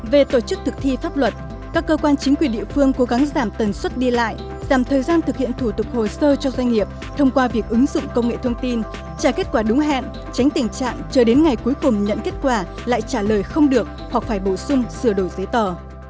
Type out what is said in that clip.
về tổ chức thực thi pháp luật các cơ quan chính quyền địa phương cố gắng giảm tần suất đi lại giảm thời gian thực hiện thủ tục hồ sơ cho doanh nghiệp thông qua việc ứng dụng công nghệ thông tin trả kết quả đúng hẹn tránh tình trạng chờ đến ngày cuối cùng nhận kết quả lại trả lời không được hoặc phải bổ sung sửa đổi giấy tờ